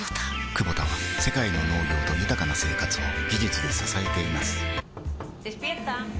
クボタは世界の農業と豊かな生活を技術で支えています起きて。